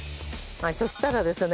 そしたらですね